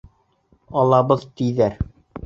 Алабыҙ, тиҙәр.